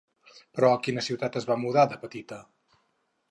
Però, a quina ciutat es va mudar de petita?